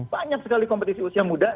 banyak sekali kompetisi usia muda